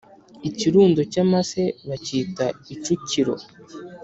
Ikirundo cy’amase bacyita icukiro